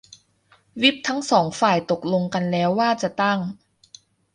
วิปทั้งสองฝ่ายตกลงกันแล้วว่าจะตั้ง